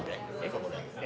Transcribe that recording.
ここで。